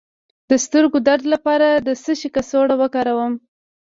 د سترګو درد لپاره د څه شي کڅوړه وکاروم؟